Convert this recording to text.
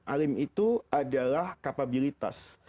alim itu adalah kapabilitas